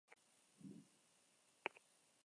Gatzaren ibilbide zaharreko zati zen.